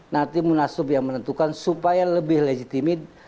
nanti munaslup yang menentukan supaya lebih legitimit